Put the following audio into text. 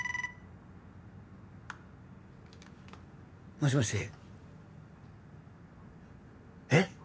もしもしえッ？